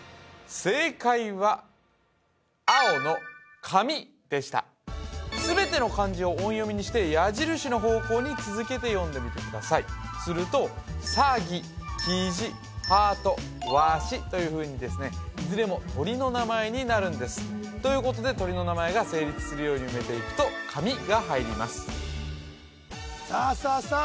正解は青の紙でした全ての漢字を音読みにして矢印の方向に続けて読んでみてくださいすると「さぎ」「きじ」「はと」「わし」というふうにですねいずれも鳥の名前になるんですということで鳥の名前が成立するように埋めていくと紙が入りますさあさあさあ